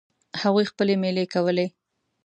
هغوی خپلې میلې کولې.